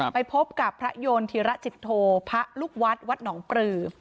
ไปพบกับพระโยนธิระจิตโทพระลูกวัดวัดหนองปลือ